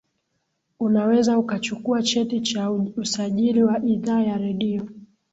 unaweza ukachukua cheti cha usajili wa idhaa ya redio